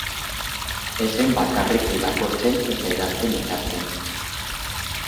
Ez zen bakarrik irakurtzen eta idazten ikasten.